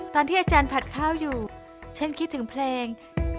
อาจารย์ผัดข้าวอยู่ฉันคิดถึงเพลง